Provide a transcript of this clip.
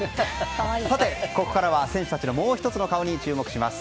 ここからは選手たちのもう１つの顔に注目します。